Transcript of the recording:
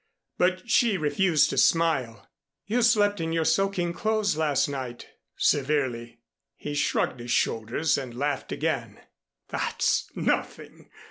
But she refused to smile. "You slept in your soaking clothes last night," severely. He shrugged his shoulders and laughed again. "That's nothing.